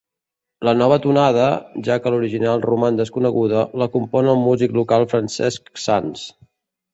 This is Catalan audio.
La nova tonada, ja que l'original roman desconeguda, la compon el músic local Francesc Sans.